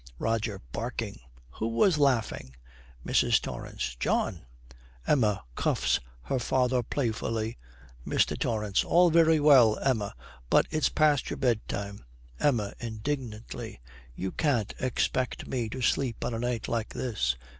ROGER, barking, 'Who was laughing?' MRS. TORRANCE. 'John!' Emma cuffs her father playfully. MR. TORRANCE. 'All very well, Emma, but it's past your bedtime.' EMMA, indignantly, 'You can't expect me to sleep on a night like this.'